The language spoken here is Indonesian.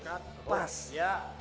kurang lebih seperti ini